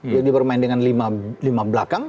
jadi bermain dengan lima belakang